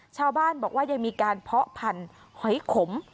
ชาวบ้านบอกว่ายังมีการเพาะพันธุ์หอยขม